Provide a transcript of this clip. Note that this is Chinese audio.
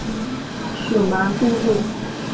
属茫部路。